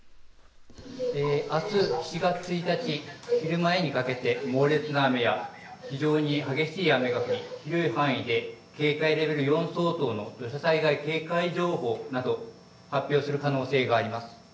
あす７月１日昼前にかけて猛烈な雨や非常に激しい雨が降り、広い範囲で警戒レベル４相当の土砂災害警戒情報など発表する可能性があります。